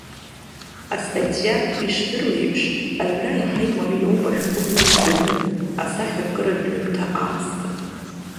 Астатиа, ишдыру еиԥш, аҩра иаҳа имариоуп ашәҟәыҩҩы изыҳәан, асахьаркыратә ҩымҭа аасҭа.